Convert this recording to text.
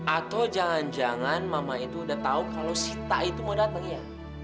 atau jangan jangan mama itu udah tahu kalau sita itu mau datang ya